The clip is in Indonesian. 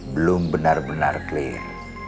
belum benar benar clear